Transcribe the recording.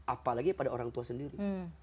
apalagi pada orang tua sendiri